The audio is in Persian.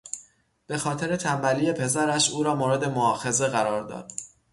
به خاطر تنبلی پسرش، او را مورد مواخذه قرار داد.